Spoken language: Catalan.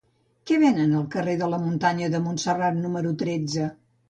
Què venen al carrer de la Muntanya de Montserrat número tretze?